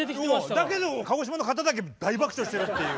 だけども鹿児島の方だけ大爆笑してるっていう。